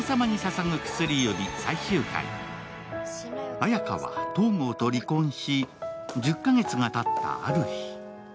綾華は東郷と離婚し１０か月がたった、ある日。